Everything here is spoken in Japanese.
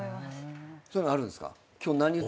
そういうのあるんすか？